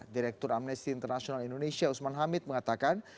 direktur amnesty international indonesia usman hamid mengatakan